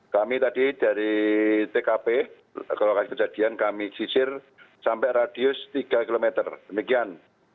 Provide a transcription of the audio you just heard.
kami tadi dari tkp ke lokasi kejadian kami sisir sampai radius tiga km demikian